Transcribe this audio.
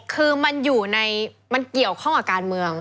คือมันอยู่ในมันเกี่ยวข้องกับการเมือง